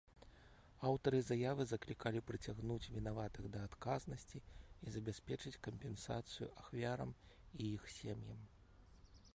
Аўтары заявы заклікалі прыцягнуць вінаватых да адказнасці і забяспечыць кампенсацыю ахвярам і іх сем'ям.